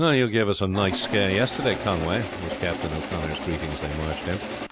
"You gave us a nice scare yesterday, Conway," was Captain O'Connor's greeting as they marched in.